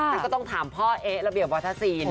แล้วก็ต้องถามพ่อเอะระเบียบวัฒนศิลป์